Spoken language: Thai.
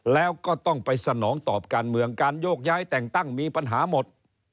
แล้วก็ต้องไปสนองตอบการเมืองการโยกย้ายแต่งตั้งมีปัญหาหมด